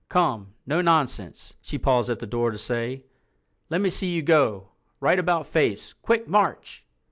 Come—no nonsense," she paused at the door to say. "Let me see you go. Right about face—quick march!"